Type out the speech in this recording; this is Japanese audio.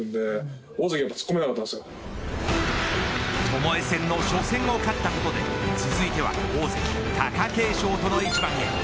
ともえ戦の初戦を勝ったことで続いては大関、貴景勝との一番へ。